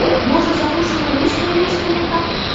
Можа, з агучанай лічбай нешта не так?